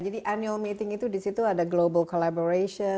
jadi annual meeting itu disitu ada global collaboration